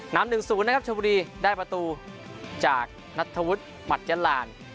น้ำหนึ่งสูงนะครับชวบรีได้ประตูจากนัทธวุฒิมัตยราร